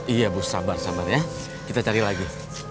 iya bu sabar sabar ya kita cari lagi